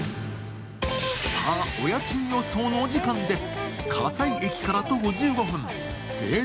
さあ、お家賃予想のお時間です。